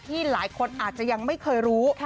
หลายคนอาจจะยังไม่เคยรู้